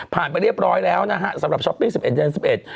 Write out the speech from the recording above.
ผ่านไปเรียบร้อยแล้วนะฮะสำหรับช็อปปิ้ง๑๑เดือน๑๑